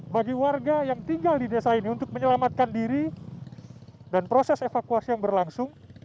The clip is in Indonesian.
bagi warga yang tinggal di desa ini untuk menyelamatkan diri dan proses evakuasi yang berlangsung